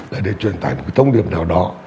là để truyền tải một cái thông điệp nào đó